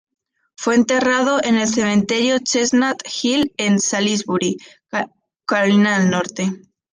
Fue enterrado en el Cementerio Chestnut Hill en Salisbury, Carolina del Norte.